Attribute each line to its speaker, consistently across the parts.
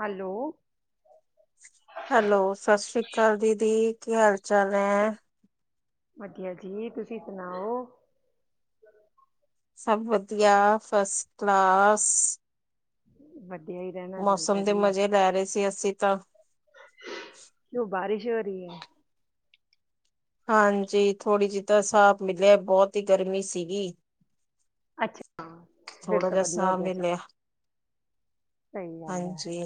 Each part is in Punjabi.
Speaker 1: ਹੈਲੋ
Speaker 2: ਹੈਲੋ, ਸਤਿ ਸ੍ਰੀ ਅਕਾਲ ਦੀਦੀ, ਕੀ ਹਾਲ ਚਾਲ ਹੈ?
Speaker 1: ਵਧੀਆ ਜੀ, ਤੁਸੀਂ ਸੁਣਾਓ
Speaker 2: ਸਭ ਵਧੀਆ। First class. ਮੌਸਮ ਦੇ
Speaker 1: [inaudible]
Speaker 2: ਮਜ਼ੇ ਲੈ ਰਹੇ ਸੀ ਅਸੀਂ ਤਾਂ।
Speaker 1: [inaudible] [inaudible]
Speaker 2: ਹਾਂਜੀ, ਥੋੜ੍ਹੀ ਜੀ ਤਾਂ ਸਾਬ ਮਿਲਿਆ। ਬਹੁਤ ਹੀ ਗਰਮੀ ਸੀਗੀ।
Speaker 1: ਅੱਛਾ, ਫਿਰ
Speaker 2: ਥੋੜਾ
Speaker 1: ਤਾਂ
Speaker 2: ਜੇਆ
Speaker 1: ਵਧੀਆ ਹੋ
Speaker 2: ਸਾ
Speaker 1: ਗਿਆ
Speaker 2: ਮਿਲਿਆ।
Speaker 1: ਚਲੋ, ਸਹੀ ਗੱਲ ਹੈ।
Speaker 2: ਹਾਂਜੀ।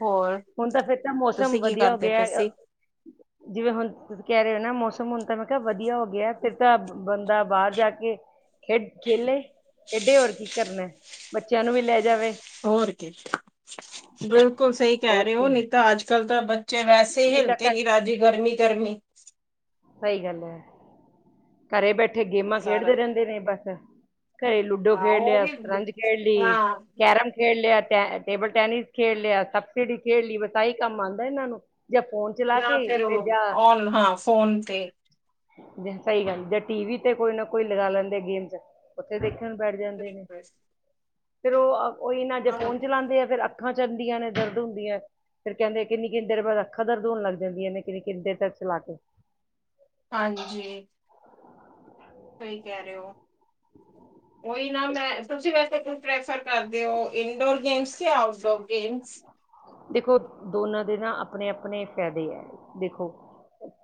Speaker 2: ਹੋਰ,
Speaker 1: ਹੁਣ ਤਾਂ ਫਿਰ ਤਾਂ ਮੌਸਮ
Speaker 2: ਤੁਸੀਂ ਕੀ
Speaker 1: ਵਧੀਆ
Speaker 2: ਕਰਦੇ ਪਏ
Speaker 1: ਔਗੇਆ,
Speaker 2: ਸੀ?
Speaker 1: ਜਿਵੇਂ ਹੁਣ ਕਹਿ ਰਹੇ ਹੋ। ਨੈ, ਮੌਸਮ ਹੁਣ ਤਾਂ ਮੈਂ ਕਿਹਾ, ਵਧੀਆ ਹੋ ਗਿਆ। ਫਿਰ ਤਾਂ ਬੰਦਾ ਬਾਰ ਜਾ ਕੇ ਖੇ-ਖੇਲੇ, ਏਡੇ। ਹੋਰ ਕੀ ਕਰਨਾ? ਬੱਚਿਆਂ ਨੂੰ ਵੀ ਲੈ ਜਾਵੇ।
Speaker 2: ਹੋਰ ਕੀ।
Speaker 1: ਹੋਰ
Speaker 2: ਉਹ
Speaker 1: ਕੀ
Speaker 2: ਨਹੀਂ, ਤਾਂ ਅੱਜ ਕੱਲ ਤਾਂ ਬੱਚੇ
Speaker 1: ਨਹੀਂ
Speaker 2: ਵੈਸੇ
Speaker 1: ਤਾਂ ਘਰ
Speaker 2: [unintelligible] ਗਰਮੀ ਗਰਮੀ
Speaker 1: ਸਹੀ ਗੱਲ ਹੈ। ਘਰੇ ਬੈਠੇ, ਗੇਮਾਂ
Speaker 2: ਸਾਰਾ,
Speaker 1: ਖੇਡਦੇ ਰਹਿੰਦੇ ਨੇ, ਬਸ। ਘਰੇ, ਲੁਡੋ
Speaker 2: ਹਾਂ
Speaker 1: ਖੇਡ
Speaker 2: ਉਹ
Speaker 1: ਲਿਆ,
Speaker 2: ਵੀ
Speaker 1: ਸਪ੍ਰੰਜ ਖੇਡਲੀ,
Speaker 2: ਹਾਂ
Speaker 1: ਕੈਰਮ ਖੇਡ ਲੇਆ ਟੈ-ਟੇਬਲ ਟੈਨਿਸ ਖੇਡ ਲਿਆ, ਸਬਸਿਡੀ ਖੇਡ ਲੀ। ਬਸ ਆਈ ਕੰਮ ਆਂਦਾ ਇਹਨਾਂ ਨੂੰ। ਜਾਂ ਫੋਨ ਚਲਾ
Speaker 2: ਜਾਂ
Speaker 1: ਕੇ
Speaker 2: ਫੇਰ,
Speaker 1: ਤੇ ਜਾਂ
Speaker 2: ਔਨ ਹਾਂ ਫੋਨ ਤੇ।
Speaker 1: ਸਹੀ ਗੱਲ। ਜਾਂ ਟੀ ਵੀ ਤੇ ਕੋਈ ਨਾ ਕੋਈ ਲਗਾ ਲੈਂਦੇ ਗੇਮ, ਉੱਥੇ ਦੇਖ ਬੈਠ ਜਾਂਦੇ ਨੇ। ਫੇਰ ਓ, ਉਹੀ ਨਾ, ਜੇ
Speaker 2: ਹਾਂ
Speaker 1: ਫੋਨ ਚਲਾਂਦੇ ਆ, ਫਿਰ ਅੱਖਾਂ ਚੱਲਦੀਆਂ ਨੇ ਦਰਦ ਹੁੰਦੀ ਹ। ਫਿਰ ਕਹਿੰਦੇ ਕਿੰਨੀ-ਕਿੰਨੀੇ ਦੇਰ ਬਾਅਦ ਅੱਖਾਂ ਦਰਦ ਹੋਨ ਲੱਗ ਜਾਂਦੀਆਂ ਨੇ ਕਿੰਨੀ-ਕਿੰਨੀ ਦੇਰ ਤੱਕ ਚਲਾ ਕੇ।
Speaker 2: ਹਾਂਜੀ। ਸਹੀ ਕਹਿ ਰਹੇ ਹੋ ਉਹੀ ਨ ਮੈਂ, ਤੁਸੀਂ ਵੈਸੇ ਕੀ ਪ੍ਰੈਫਰ ਕਰਦੇ ਹੋ ਇੰਡੋਰ ਗੇਮਸ ਯਾ ਆਊਟਡੋਰ ਗੇਮਸ?
Speaker 1: ਦੇਖੋ ਦੋਨਾਂ ਦੇ ਨਾ ਆਪਣੇ-ਆਪਣੇ ਫਾਇਦੇ ਹੈ ਦੇਖੋ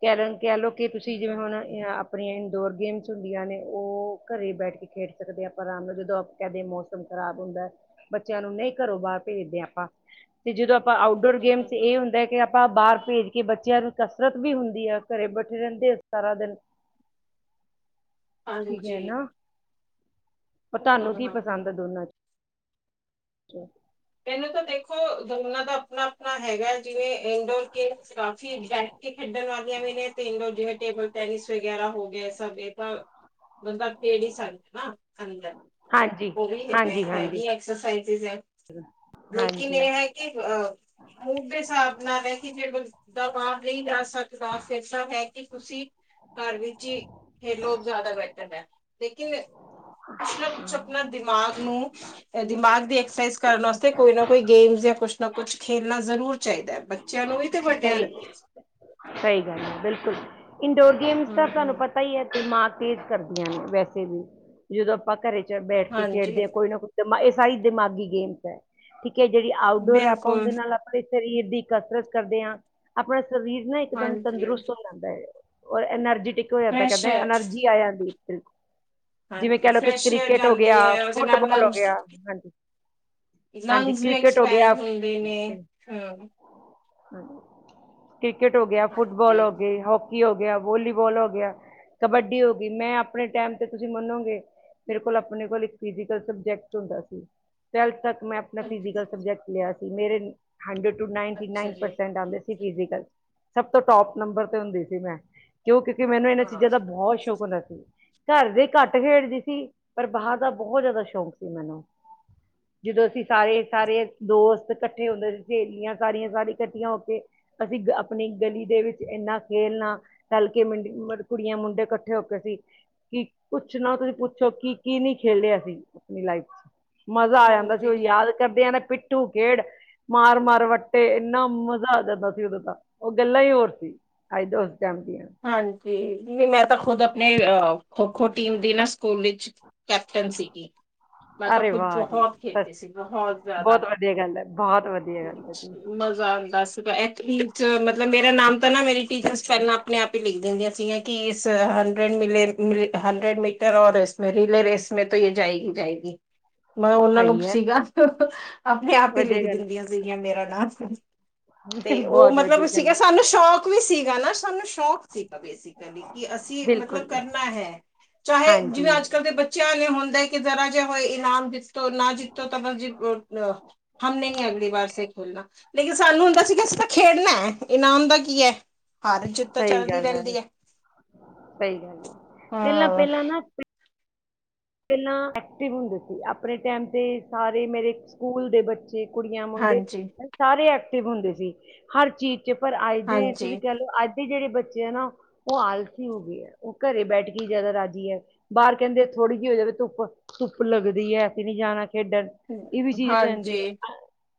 Speaker 1: ਕੈਰਨ ਕਹਿ ਲਓ ਕਿ ਤੁਸੀ ਜਿਵੇਂ ਹੁਣ ਅ ਆਪਣੀ ਐਨ ਡੋਰ ਗੇਮਸ ਹੁੰਦੀਆਂ ਨੇ ਉਹ ਘਰੇ ਬੈਠ ਕੇ ਖੇਡ ਸਕਦੇ ਆਪਾਂ ਆਰਾਮ ਨਾਲ ਜਦੋਂ ਆਪ ਕਹਿੰਦੇ ਮੌਸਮ ਖਰਾਬ ਹੁੰ ਬੱਚਿਆਂ ਨੂੰ ਨਹੀਂ ਘਰੋਂ ਬਾਹਰ ਭੇਜਦੇ ਹਾਂ ਆਪਾਂ। ਤੇ ਜਦੋਂ ਆਪਾਂ ਆਊਟਡੋਰ ਗੇਮਸ ਇਹ ਹੁੰਦਾ ਹੈ ਕਿ ਆਪਾਂ ਬਾਹਰ ਭੇਜ ਕੇ ਬੱਚਿਆਂ ਨੂੰ ਕਸਰਤ ਵੀ ਹੁੰਦੀ ਆ ਘਰੇ ਬੈਠੇ ਰਹਿੰਦੇ ਆ ਸਾਰਾ ਦਿਨ। ਠੀਕ
Speaker 2: ਹਾਂਜੀ।
Speaker 1: ਹੈ ਨਾ ਪਰ
Speaker 2: ਹੂੰ
Speaker 1: ਤੁਹਾਨੂੰ ਕੀ
Speaker 2: ਹੂੰ।
Speaker 1: ਪਸੰਦ ਹੈ ਦੋਨਾਂ ਚ। [unintelligible]
Speaker 2: ਮੈਨੂੰ ਤਾਂ ਦੇਖੋ ਦੋਨਾਂ ਦਾ ਆਪਣਾ-ਆਪਣਾ ਹੈਗਾ ਹੈ, ਜਿਵੇਂ ਇੰਡੋਰ ਗੇਮਸ ਕਾਫੀ ਐਗਜੈਕਟ ਕੇ ਖੇਡਣ ਵਾਲੀਆਂ ਵੀ ਨੇ ਇਨਡੋਰ ਗੇਮ ਜਿਵੇਂ ਟੇਬਲ ਟੈਨਿਸ ਵਗੈਰਾ ਹੋ ਗਿਆ ਸਭ ਇਹ ਤਾਂ ਬੰਦਾ ਖੇਲ ਹੀ ਸਕਦਾ ਨਾ ਅੰਦਰ
Speaker 1: ਹਾਂਜੀ
Speaker 2: ਉਹ ਵੀ
Speaker 1: ਹਾਂਜੀ
Speaker 2: ਇਕ
Speaker 1: ਹਾਂਜੀ
Speaker 2: ਹੈਗੀ ਐਕਸਰਸਾਈਜ਼ ਹੈ। ਲੇਕਿਨ
Speaker 1: ਹਾਂਜੀ
Speaker 2: ਇਹ ਹੈ ਕਿ ਅ ਮੂਢ ਦੇ ਹਿਸਾਬ ਨਾਲ ਹੈ ਕਿ ਜੇ ਕੋ ਦਾ ਮਾਮ ਨਹੀਂ ਜਾ ਸਕੱਦਾ ਫਿਰਸਾ ਹੈ। ਕਿ ਤੁਸੀਂ ਘਰ ਵਿੱਚ ਹੀ ਖੇਲੋ ਜ਼ਿਆਦਾ ਬੈਹਤਰ ਹੈ। ਲੇਕਿਨ ਕੁਛ ਨਾ ਕੁਛ ਆਪਣਾ ਦਿਮਾਗ ਨੂੰ, ਅ ਦਿਮਾਗ ਦੀ ਐਕਸਰਸਾਈਜ਼ ਕਰਨ ਵਾਸਤੇ। ਕੋਈ ਨਾ ਕੋਈ ਗੇਮਸ ਜਾਂ ਕੁਛ ਨਾ ਕੁਛ ਖੇਣਾ ਜ਼ਰੂਰ ਚਾਹੀਦਾ ਹੈ। ਬੱਚਿਆਂ ਨੂੰ ਵੀ ਤੇ
Speaker 1: ਤਾਂ
Speaker 2: ਵੱਡਿਆਂ ਨੂੰ ਵੀ।
Speaker 1: ਇਹ ਸਹੀ ਗੱਲ ਹੈ ਬਿਲਕੁਲ ਇੰਡੋਰ ਗੇਮਸ ਤਾਂ ਤੁਹਾਨੂੰ
Speaker 2: ਹੂੰ-ਹੂੰ।
Speaker 1: ਪਤਾ ਹੀ ਹੈ। ਦਿਮਾਗ ਤੇਜ਼ ਕਰਦੀਆਂ ਨੇ। ਵੈਸੇ ਵੀ ਜਦੋਂ ਆਪਾਂ ਘਰੇ ਬੈਠ ਕੇ
Speaker 2: ਹਾਂਜੀ
Speaker 1: ਖੇਡਦੇ ਆ ਕੋਈ ਨਾ ਕੋਈ ਦਿਮਾ ਇਹ ਸਾਰੀ ਦਿਮਾਗੀ ਗੇਮ ਤਾਂ ਹੈ। ਠੀਕ ਕਿ ਜਿਹੜੀ ਆਊਟਡੋਰ ਹੈ। ਆਪਾਂ
Speaker 2: ਬਿਲਕੁਲ
Speaker 1: ਉਹਦੇ ਨਾਲ ਆਪਣੇ ਸਰੀਰ ਦੀ ਕਸਰਤ ਕਰਦੇ ਹਾਂ। ਆਪਣਾ ਸਰੀਰ ਨਾ ਇਕਦਮ
Speaker 2: ਹਾਂਜੀ
Speaker 1: ਤੰਦਰੁਸਤ ਹੋ ਜਾਂਦਾ ਹੈ। ਔਰ ਐਨਰਜੀੈਟਿਕ ਹੋ ਜਾਂਦਾ
Speaker 2: ਫਰੈਸ਼
Speaker 1: ਕਹਿੰਦੇ
Speaker 2: ਏਅਰ
Speaker 1: ਐਨਰਜੀ ਆ ਜਾਂਦੀ। [unintelligible] ਜਿਵੇਂ
Speaker 2: ਹਾਂਜੀ
Speaker 1: ਕਹਿਲੋ ਕਿ
Speaker 2: ਫਰੈਸ਼ ਏਅਰ
Speaker 1: ਕ੍ਰਿਕਟ ਹੋ
Speaker 2: ਜਾਂਦੀ
Speaker 1: ਗਿਆ
Speaker 2: ਹੈ ਉਹਦੇ ਨਾਲ
Speaker 1: ਫੁੱਟਬਾਲ ਹੋ
Speaker 2: ਲੰਗਸ
Speaker 1: ਗਿਆ ਹਾਂਜੀ। ਹਾਂਜੀ
Speaker 2: ਲੰਗਸ ਵੀ
Speaker 1: ਕ੍ਰਿਕਟ ਹੋ
Speaker 2: ਐਕਸਪੈਂਡ ਹੁੰਦੇ ਨੇ ਹਾਂ।
Speaker 1: [unintelligible] ਕ੍ਰਿਕਟ ਹੋ ਗਿਆ ਫੁੱਟਬਾਲ
Speaker 2: ਹਾਂਜੀ,
Speaker 1: ਹੋ ਗਈ ਹੋਕੀ। ਹੋਕੀ ਹੋ ਗਿਆ ਵੋਲੀਬਾਲ ਹੋ ਗਿਆ ਕਬੱਡੀ ਹੋ ਗਈ ਮੈਂ ਆਪਣੇ ਟੈਮ ਤੇ ਤੁਸੀਂ ਮੰਨੋਗੇ ਮੇਰੇ ਕੋਲ ਆਪਣੇ ਕੋਲ ਇੱਕ ਫਿਜ਼ਕਲ ਸਬਜੈਕਟ ਹੁੰਦਾ ਸੀ। ਟਵਲਥ ਤੱਕ ਮੈਂ ਆਪਣਾ ਫਿਜੀਕਲ ਸਬਜੈਕਟ ਲਿਆ ਸੀ। ਮੇਰੇ ਹੰਡਰਡ
Speaker 2: ਅੱਛਾ
Speaker 1: ਨੈਂਟੀਨਾਈਨ
Speaker 2: ਜੀ।
Speaker 1: ਪਰਸੈਂਟ ਆਉਂਦੇ ਸੀ ਫਿਜ਼ੀਕਲ ਚ ਸਭ ਤੋਂ ਟੋਪ ਨੰਬਰ ਤੇ ਹੁੰਦੀ ਸੀ। ਮੈਂ ਕਿਉਂਕ। ਮੈਨੂੰ ਇਹਨਾਂ ਚੀਜ਼ਾਂ ਦਾ
Speaker 2: ਹਾਂਜੀ।
Speaker 1: ਬਹੁਤ ਸ਼ੌਕ ਹੁੰਦਾ ਸੀ। ਘਰ ਦੇ ਘੱਟ ਖੇਡਦੀ ਸੀ ਪਰ ਬਾਹਰ ਦਾ ਬਹੁਤ ਜ਼ਿਆਦਾ ਸ਼ੌਕ ਸੀ ਮੈਨੂੰ। ਜਦੋਂ ਅਸੀਂ ਸਾਰੇ-ਸਾਰੇ ਦੋਸਤ ਇਕੱਠੇ ਹੁੰਦੇ ਸੀ ਸਹੇਲੀਆਂ। ਸਾਰੀਆਂ ਸਾਰੀ ਇਕੱਠੀਆਂ ਹੋ ਕੇ ਅਸੀਂ ਆਪਣੀ ਗਲੀ ਦੇ ਵਿੱਚ ਇੰਨਾ ਖੇਲਣਾ। ਰਲਕੇ ਮਿੰਡੀ। ਕੁੜੀਆਂ ਮੁੰਡੇ ਇਕੱਠੇ ਹੋ ਕੇ ਸੀ। ਕਿ ਕੁੱਛ ਨਾ ਤੁਸੀਂ ਪੁੱਛੋ ਕੀ-ਕੀ ਨੀ ਖੇਲਿਆ ਸੀ। ਆਪਣੀ ਲਾਈਫ ਚ ਮਜ਼ਾ ਆ ਜਾਂਦਾ ਸੀ। ਉਹ ਯਾਦ ਕਰਦੇ ਆ ਨਾ ਪਿੱਟੂ ਖੇਡ ਮਾਰ-ਮਾਰ ਵੱਟ। ਤੇ ਇੰਨਾ ਮਜ਼ਾ ਆ ਜਾਂਦਾ ਸੀ। ਉਦੋਂ ਤਾਂ ਉਹ ਗੱਲਾਂ ਹੀ ਹੋਰ ਸੀ ਅੱਜ ਉਸ ਟਾਈਮ ਦੀਆਂ।
Speaker 2: ਹਾਂਜੀ ਵੀ ਮੈਂ ਤਾਂ ਖੁਦ ਆਪਣੇ ਅ ਖੋ-ਖੋ ਟੀਮ ਦੀ ਨਾ ਸਕੂਲ ਵਿੱਚ। ਕੈਪਟਨ ਸੀ ਗੀ। ਮੈਂ ਤਾਂ
Speaker 1: ਅਰੇ
Speaker 2: ਕੁਝ
Speaker 1: ਵਾਹ ਜੀ
Speaker 2: ਬਹੁਤ
Speaker 1: ਸੱਚ
Speaker 2: ਖੇਤੀ ਸੀ ਬਹੁਤ
Speaker 1: ਬਹੁਤ
Speaker 2: ਜ਼ਿਆਦਾ।
Speaker 1: ਵਧੀਆ ਗੱਲ ਹੈ ਬਹੁਤ ਵਧੀਆ ਗੱਲ ਹੈ ਜੀ
Speaker 2: ਹ ਦਸ ਰ ਮਤਲਬ ਮੇਰਾ ਨਾਮ ਤਾਂ ਨਾ ਮੇਰੀ ਟੀਚਰ ਪਹਿਲਾਂ। ਆਪਣੇ ਆਪ ਹੀ ਲਿਖ ਦਿੰਦੀਆਂ ਸੀਗੀਆਂ ਕਿ ਇਸ ਹੰਡਰਡ ਮੀਟਰ ਹੰਡਰਡ ਮੀਟਰ ਔਰ ਇਸ ਰੀਲੇ ਰਸ। ਤੋਂ ਇਹ ਜਾਏਗੀ-ਜਾਏਗੀ ਮੈਂ ਉਹਨਾਂ ਨੂੰ
Speaker 1: ਸਹੀ ਹੈ
Speaker 2: ਸੀਗਾ। ਆਪਣੇ ਆਪ ਹੀ
Speaker 1: ਵਧੀਆ
Speaker 2: ਲਿਖ
Speaker 1: ਗੱਲ
Speaker 2: ਦਿੰਦੀਆਂ ਸੀਗੀਆਂ ਮੇਰਾ ਨਾਮ ਨਾ। ਤੇ ਉਹ
Speaker 1: ਬਹੁਤ ਵਧੀਆ
Speaker 2: ਮਤਲਬ ਸੀਗਾ
Speaker 1: ਗੱਲ ਐ,
Speaker 2: ਸਾਨੂੰ ਸ਼ੌਕ ਵੀ ਸੀਗਾ। ਨਾ ਸਾਨੂੰ ਸ਼ੌਕ। ਸੀਗਾ ਬੇਸਿਕਲੀ ਕਿ ਅਸੀਂ ਮਤਲਬ
Speaker 1: ਬਿਲਕੁਲ
Speaker 2: ਕਰਨਾ ਹੈ। ਚਾਹੇ
Speaker 1: ਹਾਂਜੀ,
Speaker 2: ਜਿਵੇਂ ਅੱਜ ਕੱਲ ਦੇ ਬੱਚਿਆਂ ਹੁੰਦਾ ਕਿ ਜ਼ਰਾ ਜੇ ਹੋਏ ਇਨਾਮ ਜਿੱਤੋ ਨਾ ਜਿੱਤੋ ਤਾਂ ਬਸ [unintelligible] ਹਮ ਨਹੀਂ ਹੈੰ। ਅਗਲੀ ਵਾਰ ਸ ਸੇ ਖੋਲਣਾ ਲੇਕਿਨ ਸਾਨੂੰ ਹੁੰਦਾ ਸੀ ਕਿ ਅਸੀਂ ਤਾਂ ਖੇਡਣਾ ਹੈ। ਇਨਾਮ ਦਾ ਕੀ ਹੈ ਹ ਤਾਂ
Speaker 1: ਸਹੀ
Speaker 2: ਚੱਲਦੀ
Speaker 1: ਗੱਲ ਐ,
Speaker 2: ਰਹਿੰਦੀ ਹੈ।
Speaker 1: ਸਹੀ ਗੱਲ ਐ।
Speaker 2: ਹਮ
Speaker 1: ਪਹਿਲਾਂ-ਪਹਿਲਾਂ ਨਾ ਪਹਿਲਾਂ ਐਕਟਿਵ ਹੁੰਦੇ ਸੀ ਆਪਣੇ ਟੈਮ ਤੇ ਸਾਰੇ ਮੇਰੇ ਸਕੂਲ ਦੇ ਬੱਚੇ ਕੁੜੀਆਂ, ਮੁੰਡੇ
Speaker 2: ਹਾਂਜੀ
Speaker 1: ਸਾਰੇ ਐਕਟਿਵ ਹੁੰਦੇ ਸੀ। ਹਰ ਚੀਜ਼ ਪਰ ਅੱਜ ਦੇ
Speaker 2: ਹਾਂਜੀ
Speaker 1: ਤੁਸੀਂ ਕਹਿ ਲਓ ਅੱਜ ਜਿਹੜੇ ਬੱਚੇ ਆ ਨਾ। ਉਹ ਆਲਸੀ ਹੋ ਗਏ ਹੈ। ਉਹ ਘਰੇ ਬੈਠ ਕੇ ਜਿਆਦਾ ਰਾਜੀ ਹੈ। ਬਾਹਰ ਕਹਿੰਦੇ ਥੋੜ੍ਹੀ ਜਿਹੀ ਹੋ ਜਾਵੇ ਧੁੱਪ-ਧੁੱਪ ਲਗਦੀ ਹੈ। ਅਸੀ ਨੀ ਜਾਣਾ ਖੇਡਣ। ਇਹ ਵੀ ਚੀਜ਼ ਰਹਿੰਦੀ ਹੈ
Speaker 2: ਹਾਂਜੀ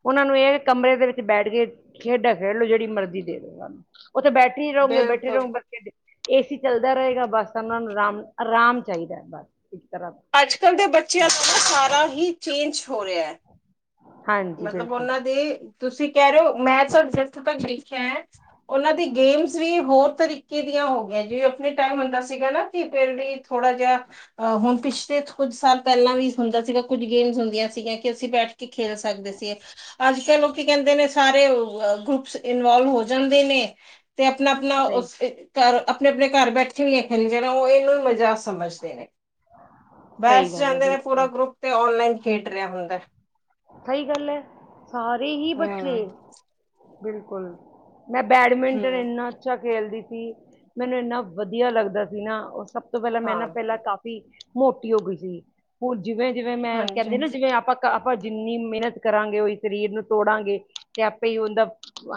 Speaker 1: ਉਹਨਾਂ ਨੂੰ ਇਹ ਹੈ। ਕਮਰੇ ਦੇ ਵਿੱਚ ਬੈਠ ਕੇ ਖੇਡਾਂ ਖੇਡਲੋ ਜਿਹੜੀ ਮਰਜ਼ੀ ਦੇ ਦੋ ਉੱਥੇ ਬੈਠ ਹੀ ਰਹੋਗੇ। ਬੈਠੇ
Speaker 2: ਬਿਲਕੁਲ
Speaker 1: ਰਹੋਗੇ ਬਲ ਏ ਸੀ ਚੱਲਦਾ ਰਹੇਗਾ ਬਸ ਤਾਂ ਉਹਨਾਂ ਨੂੰ ਆਰਾਮ-ਆਰਾਮ ਚਾਹੀਦੈ ਬੱਸ
Speaker 2: ਅੱਜ ਕੱਲ੍ਹ ਦੇ ਬੱਚਿਆਂ ਤੋਂ ਨਾ ਸਾਰਾ ਹੀ ਚੇਂਜ ਹੋ ਰਿਹਾ ਹੈ
Speaker 1: ਹਾਂਜੀ
Speaker 2: ਮਤਲਬ
Speaker 1: ਬਿਲਕੁਲ
Speaker 2: ਉਹਨਾਂ ਦੇ। ਤੁਸੀਂ ਕਹਿ ਰਹੇ ਹੋ ਮੈਂ ਚਲ ਇਥੋਂ ਤੱਕ ਦੇਖਿਆ ਹੈ। ਉਹਨਾਂ ਦੀ ਗੇਮਸ ਵੀ ਹੋਰ ਤਰੀਕੇ ਦੀਆਂ ਹੋਗੀਯਾ, ਜਿਵੇਂ ਆਪਣੇ ਟਾਈਮ ਸੀਗਾ ਨਾ। ਕਿ ਫੇਰ ਵੀ ਥੋੜਾ ਜਿਹਾ ਅਹ ਹੁਣ ਪਿਛਲੇ ਕੁੱਝ ਸਾਲ ਪਹਿਲਾਂ ਵੀ ਹੁੰਦਾ ਸੀਗਾ। ਕੁੱਝ ਗੇਮਸ ਹੁੰਦੀਆਂ ਸੀਗੀਆਂ ਕਿ ਅਸੀਂ ਬੈਠ ਕੇ ਖੇਲ ਸਕਦੇ ਸੀ। ਅੱਜ ਕੱਲ੍ਹ ਲੋਕੀ ਕਹਿੰਦੇ ਨੇ ਸਾਰੇ ਗਰੁੱਪਸ ਇਨਵੋਲਵ ਹੋ ਜਾਂਦੇ ਨੇ ਤੇ ਆਪਣਾ-ਆਪਣਾ
Speaker 1: ਸਹੀ
Speaker 2: ਉਸ ਘਰ ਆਪਣੇ-ਆਪਣੇ ਘਰ ਬੈਠੇ ਹੈ। ਜਿਵੇ ਉਹ ਇਹਨੂੰ ਮਜ਼ਾਕ ਸਮਝਦੇ ਨੇ
Speaker 1: ਸਹੀ
Speaker 2: ਬੈਸ
Speaker 1: ਗੱਲ ਹੈ
Speaker 2: ਜਾਂਦੇ ਨੇ। ਪੂਰਾ
Speaker 1: ਬਿਲਕੁਲ
Speaker 2: ਗਰੁੱਪ ਤੇ ਔਨਲਾਈਨ ਖੇਡ ਰਿਹਾ ਹੁੰਦੈ-
Speaker 1: ਸਹੀ ਗੱਲ ਹੈ। ਸਾਰੇ ਹੀ
Speaker 2: ਹੂੰ
Speaker 1: ਬੱਚੇ। ਬਿਲਕੁਲ ਮੈਂ ਬੈਡਮਿੰਟਨ
Speaker 2: ਹੂੰ
Speaker 1: ਇੰਨਾ ਅੱਛਾ ਖੇਲਦੀ ਸੀ। ਮੈਨੂੰ ਇੰਨਾ ਵਧੀਆ ਲੱਗਦਾ ਸੀ ਨਾ। ਉਹ ਸਭ ਉਸ ਤੋਂ ਪਹਿਲਾਂ ਮੈਂ ਨਾ
Speaker 2: ਹਾਂ।
Speaker 1: ਪਹਿਲਾਂ ਕਾਫ਼ੀ ਮੋਟੀ ਹੋ ਗਈ ਸੀ ਹ ਜਿਵੇਂ-ਜਿਵੇਂ ਮੈਂ
Speaker 2: ਹਾਂਜੀ
Speaker 1: ਕਹਿੰਦੇ ਨਾ। ਜਿਵੇਂ ਆਪਾਂ ਆਪਾਂ ਜਿੰਨੀ ਮਿਹਨਤ ਕਰਾਂਗੇ ਉਹੀ ਸਰੀਰ ਨੂੰ ਤੋੜਾਂਗੇ। ਤੇ ਆਪੇ ਹੀ ਉਹਦਾ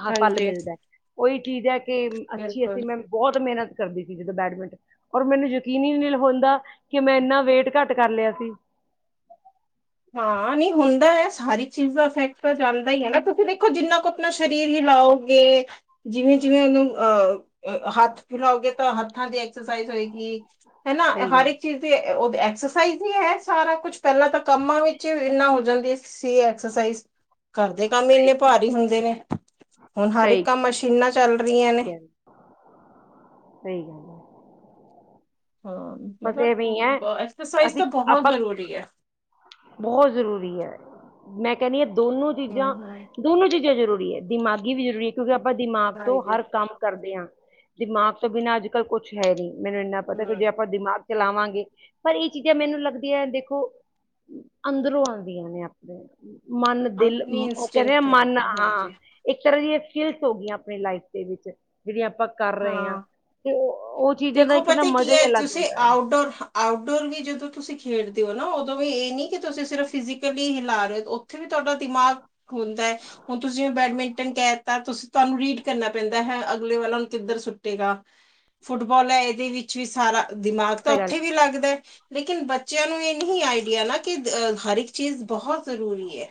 Speaker 1: ਹਾਂ ਫਲ
Speaker 2: ਹਾਂਜੀ
Speaker 1: ਮਿਲਦੈ। ਉਹੀ ਚੀਜ਼ ਹੈ ਕਿ ਅੱਛੀ ਅਸੀਂ
Speaker 2: ਬਿਲਕੁਲ
Speaker 1: ਮੈਂ ਬਹੁਤ ਮਿਹਨਤ ਕਰਦੀ ਸੀ ਜਦੋਂ ਬੈਡਮਿੰਟਨ। ਔਰ ਮੈਨੂੰ ਯਕੀਨ ਹੀ ਨਹੀਂ ਹੁੰਦਾ ਕਿ ਮੈਂ ਇੰਨਾ ਵੇਟ ਘੱਟ ਕਰ ਲਿਆ ਸੀ
Speaker 2: ਹਾਂ। ਨਹੀਂ ਹੁੰਦੈ ਸਾਰੀ ਚੀਜ਼ ਦਾ ਇਫੈਕਟ ਤਾਂ ਜਾਂਦਾ ਹੀ ਹੈ ਨਾ। ਕਿਉਂਕਿ ਦੇਖੋ ਜਿੰਨਾ ਕੁ ਆਪਣਾ ਸਰੀਰ ਹੀ ਆਓਗੇ [unintelligible] ਜਿਵੇਂ-ਜਿਵੇਂ ਉਹਨੂੰ ਅ ਹੱਥ ਹਿਲਾਓਗੇ ਤਾਂ ਹੱਥਾਂ ਦੀ ਐਕਸਰਸਾਈਜ਼ ਹੋਏਗੀ ਹਨਾ।
Speaker 1: ਸਹੀ
Speaker 2: ਹਰ
Speaker 1: ਗੱਲ
Speaker 2: ਇੱਕ ਚੀਜ਼ ਦੇ ਉਹ ਐਕਸਰਸਾਈਜ਼ ਵੀ ਹੈ। ਸਾਰਾ ਕੁਛ ਪਹਿਲਾਂ ਤੱਕ ਕੰਮਾਂ ਵਿੱਚ ਇੰਨਾ ਹੋ ਜਾਂਦੀ ਸੀ ਐਕਸਰਸਾਈਜ਼। ਘਰਦੇ ਕੰਮ ਹੀ
Speaker 1: ਸਹੀ
Speaker 2: ਇੰਨੇ ਭਾਰੀ ਹੁੰਦੇ ਨੇ। ਹੁਣ ਹਰ
Speaker 1: ਸਹੀ
Speaker 2: ਇੱਕ ਕੰਮ ਮਸ਼ੀਨਾਂ ਚਲ ਰਈਆਂ ਨੇ
Speaker 1: ਗੱਲ ਸਹੀ ਗੱਲ ਆ
Speaker 2: ਹਾਂ।
Speaker 1: ਬਸ ਐਵੇਂ ਹੀ ਹੈ
Speaker 2: ਮਤਲਬ ਐਕਸਰਸਾਈਜ਼
Speaker 1: ਅਸੀਂ
Speaker 2: ਤਾਂ ਬਹੁਤ
Speaker 1: ਆਪਾਂ
Speaker 2: ਜ਼ਰੂਰੀ ਹੈ
Speaker 1: ਬਹੁਤ ਜ਼ਰੂਰੀ ਹੈ ਮੈਂ ਕਹਿੰਨੀ ਹਾਂ। ਦੋਨੋ
Speaker 2: ਹਮ ਹਮ
Speaker 1: ਚੀਜ਼ਾਂ-ਦੋਨੋ ਚੀਜ਼ਾਂ ਜ਼ਰੂਰੀ ਹੈ। ਦਿਮਾਗੀ ਵੀ ਜ਼ਰੂਰੀ ਹੈ ਕਿਉਂਕਿ ਆਪਾਂ ਦਿਮਾਗ ਤੋਂ
Speaker 2: ਹਾਂਜੀ
Speaker 1: ਹਰ ਕੰਮ ਕਰਦੇ ਹਾਂ। ਦਿਮਾਗ ਤੋਂ ਬਿਨਾਂ ਅੱਜ ਕੱਲ੍ਹ ਕੁਛ ਹੈ ਨਹੀਂ ਮੈਨੂੰ ਇੰਨਾ ਪਤਾ ਕਿ
Speaker 2: ਹਮ
Speaker 1: ਜੇ ਆਪਾਂ ਦਿਮਾਗ ਚਲਾਵਾਂਗੇ। ਪਰ ਇਹ ਚੀਜ਼ਾਂ ਮੈਨੂੰ ਲੱਗਦੀਐ ਦੇਖੋ ਅੰਦਰੋਂ ਆਂਦੀਆਂ ਨੇ ਆਪਣੇ ਮਨ ਦਿਲ
Speaker 2: ਆਪਣੀ
Speaker 1: ਉਹ ਕਰੇ
Speaker 2: ਇੰਸਟਿੰਕਟ ਹੈ
Speaker 1: ਮਨ ਹਾਂ।
Speaker 2: ਹਾਂਜੀ
Speaker 1: ਇੱਕ ਤਰ੍ਹਾਂ ਦੀ ਸਕਿਲਸ ਹੋ ਗਈਆਂ ਆਪਣੀ ਲਾਈਫ ਦੇ ਵਿੱਚ। ਜਿਹੜੀਆਂ ਆਪਾਂ ਕਰ ਰਹੇ ਹਾਂ। ਤੇ ਉਹ ਚੀਜ਼ਾਂ ਦਾ
Speaker 2: ਦੇਖੋ
Speaker 1: ਇੱਕ ਨਾ
Speaker 2: ਪਤਾ
Speaker 1: ਮਜ਼ਾ
Speaker 2: ਕੀ
Speaker 1: ਹੀ
Speaker 2: ਹੈ
Speaker 1: ਅਲੱਗ
Speaker 2: ਤੁਸੀਂ
Speaker 1: ਹੁੰਦਾ ਹੈ
Speaker 2: ਆਊਟਡੋਰ-ਆਊਟਡੋਰ ਵੀ ਜਦੋਂ ਤੁਸੀਂ ਖੇਡਦੇ ਹੋ ਨਾ ਉਦੋਂ ਵੀ ਇਹ ਨੀ ਕਿ ਤੁਸੀਂ ਸਿਰਫ ਫਿਜ਼ਕਲੀ ਹਿਲਾ ਰਹੇ ਹੋ ਉੱਥੇ ਵੀ ਤੁਹਾਡਾ ਦਿਮਾਗ ਹੁੰਦੈ ਹੁਣ ਤੁਸੀਂ ਬੈਡਮਿੰਟਨ ਕਹਿ ਤਾ, ਤੁਸੀਂ ਤਾਂਨੂੰ ਰੀਡ ਕਰਨਾ ਪੈਂਦਾ ਹੈ ਅਗਲੇ ਵਾਲਾ ਕਿੱਧਰ ਸੁੱਟੇਗਾ ਫੁੱਟਬਾਲ ਐ। ਇਹਦੇ ਵਿੱਚ ਵੀ ਸਾਰਾ, ਦਿਮਾਗ ਤਾਂ
Speaker 1: ਸਹੀ ਗੱਲ
Speaker 2: ਉੱਥੇ ਵੀ ਲੱਗਦਾ। ਲੇਕਿਨ ਬੱਚਿਆਂ ਨੂੰ ਇਹ ਨਹੀਂ ਆਈਡੀਆ ਨਾ ਕਿ, ਹਰਕ ਚੀਜ਼ ਬਹੁਤ ਜਰੂਰੀ ਐ।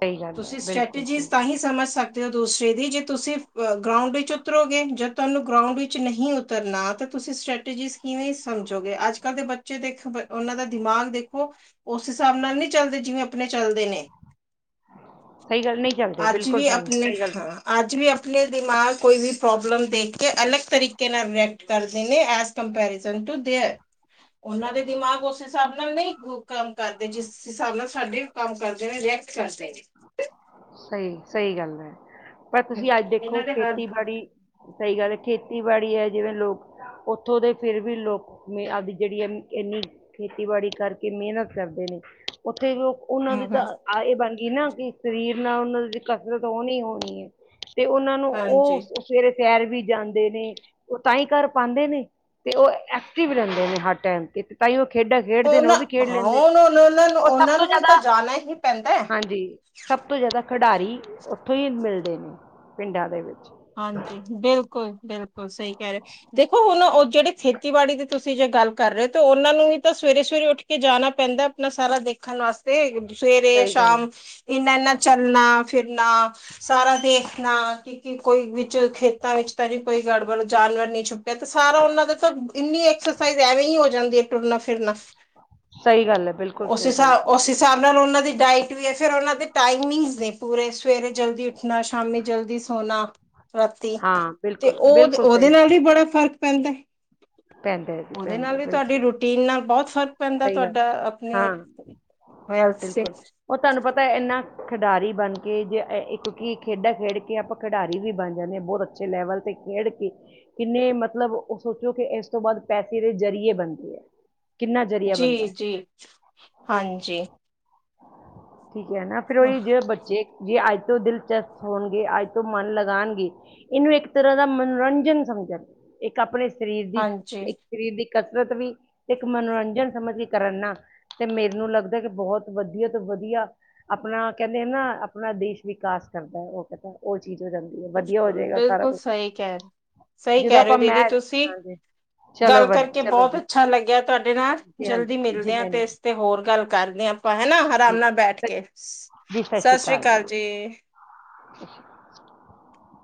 Speaker 1: ਸਹੀ ਗੱਲ ਹੈ
Speaker 2: ਤੁਸੀਂ
Speaker 1: ਬਿਲਕੁਲ
Speaker 2: ਸਟ੍ਰੈਟਜੀਜ਼
Speaker 1: ਬਿਲਕੁਲ।
Speaker 2: ਤਾਂ ਹੀ ਸਮਝ ਸਕਦੇ ਤੇ ਉਹ ਦੂਸਰੇ ਦੀ ਜੇ ਤੁਸੀਂ ਗਰਾਉਂਡ ਵਿੱਚ ਉਤਰੋਗੇ, ਜੇ ਤੁਹਾਨੂੰ ਗਰਾਉਂਡ ਵਿੱਚ ਨਹੀਂ ਉਤਰਨਾ ਤਾਂ ਤੁਸੀਂ ਸਟ੍ਰੈਟਜੀ ਕਿਵੇਂ ਸਮਝੋਗੇ, ਅੱਜ- ਕੱਲ੍ਹ ਦੇ ਬੱਚੇ ਦੇਖ ਓਨਾਂ ਦਾ ਦਿਮਾਗ ਦੇਖੋ ਉਸ ਹਿਸਾਬ ਨਾਲ ਨਹੀਂ ਚੱਲਦੇ ਜਿਵੇਂ ਆਪਨੇ ਚਲਦੇ ਨੇ
Speaker 1: ਸਹੀ ਗੱਲ ਨਹੀਂ ਚੱਲਦੇ
Speaker 2: ਅੱਜ
Speaker 1: ਬਿਲਕੁਲ
Speaker 2: ਵੀ
Speaker 1: ਸਹੀ
Speaker 2: ਆਪਣੇ
Speaker 1: ਸਹੀ ਗੱਲ
Speaker 2: ਹਾਂ, ਅੱਜ ਵੀ ਆਪਣੇ ਦਿਮਾਗ ਕੋਈ ਵੀ ਪ੍ਰੋਬਲਮ ਦੇਖ ਕੇ ਅਲੱਗ ਤਰੀਕੇ ਨਾਲ ਰਿਐਕਟ ਕਰਦੇ ਨੇ ਐਜ ਕੰਪੈਰੀਜਨ ਟੂ ਦੇਅਰ ਉਹਨਾਂ ਦੇ ਦਿਮਾਗ ਉਸ ਹਿਸਾਬ ਨਾਲ ਨਹੀਂ ਕੰਮ ਕਰਦੇ, ਜਿਸ ਹਿਸਾਬ ਨਾਲ ਸਾਡੇ ਕੰਮ ਕਰਦੇ ਨੇ ਰੀਐਕਟ ਕਰਦੇ ਨੇ
Speaker 1: ਸਈ, ਸਈ ਗੱਲ ਐ। ਪਰ ਤੁਸੀਂ ਅੱਜ ਦੇਖੋ
Speaker 2: ਇਹਨਾਂ ਦੇ ਹਰ
Speaker 1: ਖੇਤੀਬਾੜੀ ਸਈ ਗੱਲ ਹੈ ਖੇਤੀ ਖੇਤੀਬਾੜੀ ਹੈ ਜਿਵੇਂ ਲੋਕ ਉੱਥੋਂ ਦੇ ਫਿਰ ਵੀ ਲੋਕ ਆਪਦੀ ਜਿਹੜੀ ਆ, ਇੰਨੀ ਖੇਤੀਬਾੜੀ ਕਰਕੇ ਮਿਹਨਤ ਕਰਦੇ ਨੇ ਉੱਥੇ ਜੋ ਉਹਨਾਂ ਦੀ
Speaker 2: ਹੂੰ-ਹੂੰ।
Speaker 1: ਤਾਂ ਇਹ ਬਨ ਗਈ ਨਾ ਕਿ ਸਰੀਰ ਨਾਲ ਓਨਾਂ ਕਸਰਤ ਹੋਨੀ ਹੋਨੀ ਏ, ਤੇ ਉਹਨਾਂ ਨੂੰ
Speaker 2: ਹਾਂਜੀ,
Speaker 1: ਉਹ ਸਵੇਰੇ ਸੈਰ ਵੀ ਜਾਂਦੇ ਨੇ, ਉਹ ਤਾਂ ਹੀ ਕਰ ਪਾਂਦੇ ਨੇ ਤੇ ਉਹ ਐਕਟਿਵ ਰਹਿੰਦੇ ਨੇ ਹਰ ਟਾਈਮ, ਤੇ ਤੇ ਤਾਂਇਉ ਖੇਡਾਂ ਖੇਡਦੇ ਨੇ ਉਹ
Speaker 2: ਉਹਨਾਂ
Speaker 1: ਵੀ ਖੇਡ
Speaker 2: ਹਾਂ
Speaker 1: ਲੈਂਦੇ ਨੇ,
Speaker 2: ਉਹਨਾਂ ਉਹਨਾਂ ਨੂੰ
Speaker 1: ਉਹ ਸਭ
Speaker 2: ਉਹਨਾਂ
Speaker 1: ਤੋਂ
Speaker 2: ਨੂੰ ਵੀ ਤਾਂ
Speaker 1: ਜ਼ਿਆਦਾ
Speaker 2: ਜਾਣਾ ਹੀ ਪੈਂਦਾ। ਹੈ।
Speaker 1: ਹਾਂਜੀ ਸਭ ਤੋਂ ਜ਼ਿਆਦਾ ਖਿਡਾਰੀ, ਉੱਥੋਂ ਹੀ ਮਿਲਦੇ ਨੇ ਪਿੰਡਾਂ ਦੇ ਵਿੱਚ
Speaker 2: ਹਾਂਜੀ, ਬਿਲਕੁਲ ਬਿਲਕੁਲ ਸਹੀ ਕਹਿ ਰਹੇ, ਦੇਖੋ ਹੁਣ ਉਹ ਜਿਹੜੇ ਖੇਤੀਬਾੜੀ ਦੇ ਤੁਸੀਂ ਜ ਗੱਲ ਕਰ ਰਹੇ ਤੇ ਉਹਨਾਂ ਨੂੰ ਵੀ ਤਾਂ ਸਵੇਰੇ ਸਵੇਰੇ ਉੱਠ ਕੇ ਜਾਨਾ ਪੈਂਦਾ, ਆਪਨਾ ਸਾਰਾ ਦੇਖਨ ਵਾਸਤੇ ਤੇ ਸਵੇਰੇ
Speaker 1: ਸਹੀ ਗੱਲ ਹੈ
Speaker 2: ਸ਼ਾਮ ਇੰਨਾ -ਇੰਨਾ ਚੱਲਨਾ ਫਿਰਨਾ ਸਾਰਾ ਦੇਖਨਾ ਕੋਈ ਵਿੱਚ ਖੇਤਾਂ ਵਿੱਚ ਤਾਂ ਨਹੀਂ ਈ ਗੜਬੜ ਜਾਨਵਰ ਨਹੀਂ ਛੁਪਿਆ ਤੇ, ਸਾਰਾ ਉਹਨਾਂ ਦਾ ਤਾਂ ਇੰਨੀ ਐਕਸਰਸਾਈਜ਼ ਐਵੇਂ ਹੀ ਹੋ ਜਾਂਦੀ ਐ ਟੁਰਨਾ ਫਿਰਨਾ
Speaker 1: ਸਹੀ ਗੱਲ ਹੈ ਬਿਲਕੁਲ
Speaker 2: ਉਸ
Speaker 1: ਸਹੀ ਗੱਲ
Speaker 2: ਹਿਸਾਬ,
Speaker 1: ਕੀਤੀ
Speaker 2: ਉਸ
Speaker 1: ਤੁਸੀਂ।
Speaker 2: ਹਿਸਾਬ ਨਾਲ ਉਹਨਾ ਦੀ ਡਾਇਟ ਫਿਰ ਉਹਨਾਂ ਦੇ ਟਾਈਮਿੰਗਸ ਨੇ ਪੂਰੇ, ਸਵੇਰੇ ਜਲਦੀ ਉੱਠਨਾ ਸ਼ਾਮੀ ਜਲਦੀ ਸੋਨਾ। ਰਾਤੀ,
Speaker 1: ਹਾਂ
Speaker 2: ਤੇ
Speaker 1: ਬਿਲਕੁਲ
Speaker 2: ਉਹ
Speaker 1: ਬਿਲਕੁਲ
Speaker 2: ਉਹਦੇ
Speaker 1: ਸਹੀ
Speaker 2: ਨਾਲ ਹੀ ਬੜਾ ਫ਼ਰਕ ਪੈਂਦੈ।
Speaker 1: ਪੈਂਦਾ ਹੈ ਜੀ
Speaker 2: ਓਦੇ
Speaker 1: ਪੈਂਦਾ
Speaker 2: ਨਾਲ
Speaker 1: ਹੈ,
Speaker 2: ਵੀ ਤਾਡੀ
Speaker 1: ਬਿਲਕੁਲ
Speaker 2: ਰੂਟੀਨ ਨਾਲ ਬਹੁਤ ਫ਼ਰਕ ਪੈਂਦਾ
Speaker 1: ਸਹੀ ਗੱਲ ਹੈ।
Speaker 2: ਤੁਹਾਡਾ ਆਪਨੇ
Speaker 1: ਹਾਂ ਬਿਲਕੁਲ ਓ ਤਾਂਨੂੰ ਪਤਾ ਇੰਨਾ ਖਿਡਾਰੀ ਬਣ ਕੇ ਜੇ ਇੱਕਉਂਕਿ ਖੇਡਾਂ ਖੇਡ ਕੇ ਆਪਾਂ ਖਿਡਾਰੀ ਵੀ ਬਣ ਜਾਂਦੇ ਹਾਂ, ਬਹੁਤ ਅੱਛੇ ਲੈਵਲ ਤੇ ਖੇਡ ਕੇ, ਕਿੰਨੇ ਮਤਲਬ ਉਹ ਸੋਚੋ ਕਿ, ਇਸ ਤੋਂ ਬਾਅਦ ਪੈਸੇ ਦੇ ਜ਼ਰੀਏ ਬਨਦੇ ਐ।
Speaker 2: ਜੀ, ਜੀ ਹਾਂਜੀ
Speaker 1: ਠੀਕ ਹੈ ਨਾ, ਫਿਰ ਉਹਹੀ ਜਿਹੇ ਬੱਚੇ ਜੇ ਅੱਜ ਤੋਂ ਦਿਲਚਸਪ ਹੋਣਗੇ, ਅੱਜ ਤੋਂ ਮਨ ਲਗਾਨਗੇ, ਇਹਨੂੰ ਇੱਕ ਤਰ੍ਹਾਂ ਦਾ ਮਨੋਰੰਜਨ ਸਮਝ ਸਮਝਣ, ਇੱਕ ਆਪਣੇ ਸਰੀਰ ਦੀ,
Speaker 2: ਹਾਂਜੀ
Speaker 1: ਇੱਕ ਸਰੀਰ ਦੀ ਕਸਰਤ ਵੀ, ਤੇ ਇੱਕ ਮਨੋਰੰਜਨ ਸਮਝ ਕੇ ਕਰਨ ਨਾ, ਮੈਨੂੰ ਲੱਗਦਾ ਕਿ ਬਹੁਤ ਵਧੀਆ ਤੋਂ ਵਧੀਆ, ਆਪਣਾ ਕਹਿੰਦੇ ਨਾ, ਆਪਣਾ ਦੇਸ਼ ਵਿਕਾਸ ਕਰਦਾ। ਉਹ ਕਹਿੰਦਾ ਉਹ ਚੀਜ਼ ਹੋ ਜਾਂਦੀ ਹੈ, ਵਧੀਆ ਹੋ
Speaker 2: ਬਿਲਕੁਲ
Speaker 1: ਜਾਏਗਾ ਸਾਰਾ
Speaker 2: ਬਿਲਕੁਲ
Speaker 1: ਕੁਛ
Speaker 2: ਸਹੀ ਕਹਿ ਸਹੀ
Speaker 1: ਜਦੋਂ
Speaker 2: ਕਹਿ ਰਹੇ
Speaker 1: ਆਪਾਂ
Speaker 2: ਹੋ
Speaker 1: ਮੈਂ
Speaker 2: ਦੀਦੀ ਤੁਸੀਂ ਗੱਲ ਕਰਕੇ ਬਹੁਤ ਅੱਛਾ ਲੱਗਿਆ ਤੁਹਾਡੇ ਨਾਲ,
Speaker 1: ਜੀ
Speaker 2: ਜਲਦੀ
Speaker 1: ਹਾਂਜੀ ਜੀ
Speaker 2: ਮਿਲਦੇ ਤੇ ਆ,
Speaker 1: ਮੈਨੂੰ
Speaker 2: ਇਸ ਤੇ ਹੋਰ ਗੱਲ ਕਰਦੇ ਆ। ਆਪਾਂ ਹੈਨਾ ਆਰਾਮ
Speaker 1: ਜੀ
Speaker 2: ਨਾਲ ਬੈਠ
Speaker 1: ਸਤਿ-
Speaker 2: ਕੇ, ਸਤਿ ਸ੍ਰੀ ਅਕਾਲ ਜੀ।
Speaker 1: [unintelligible]